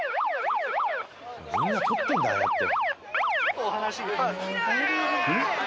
みんな撮ってんだああやって。